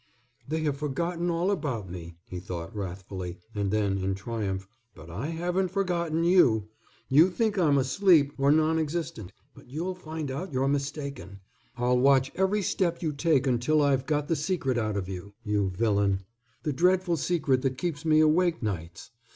"They have forgotten all about me," he thought wrathfully, and then, in triumph, "but I haven't forgotten you. You think I am asleep or non existent, but you'll find out you're mistaken. I'll watch every step you take until I have got the secret out of you, you villain, the dreadful secret that keeps me awake nights.